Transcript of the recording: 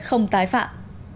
không tái phạm